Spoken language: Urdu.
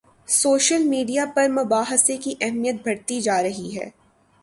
سوشل میڈیا پر مباحثے کی اہمیت بڑھتی جا رہی ہے۔